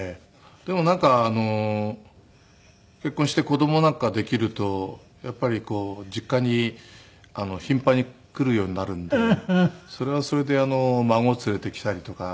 でもなんか結婚して子供なんかができるとやっぱりこう実家に頻繁に来るようになるのでそれはそれで孫を連れてきたりとか。